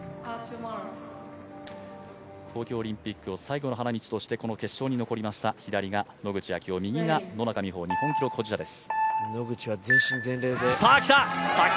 東京オリンピックを最後の花道としてこの決勝に残りました日本記録保持者です。